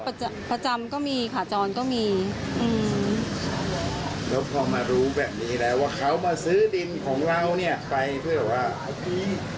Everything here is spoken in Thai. ไปเพื่อว่าที่ทำความตรงนี้มันย่อยอย่างนี้